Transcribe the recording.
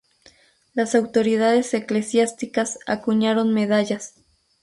Las autoridades eclesiásticas acuñaron medallas.